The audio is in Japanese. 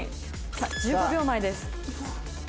さあ１５秒前です。